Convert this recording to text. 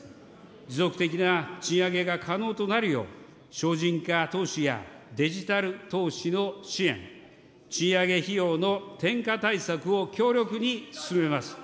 持続的な賃上げが可能となるよう、省人化投資やデジタル投資の支援、賃上げ費用の転嫁対策を強力に進めます。